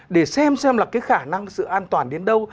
để xem xem là cái khả năng sự an toàn đến đâu